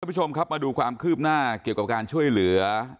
ผู้ชมครับมาดูความคืบหน้าเกี่ยวกับการช่วยเหลือ